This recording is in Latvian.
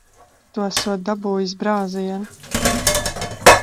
Tu esot dabūjis brāzienu.